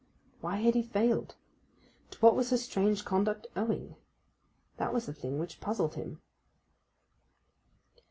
Why had he failed? To what was her strange conduct owing? That was the thing which puzzled him.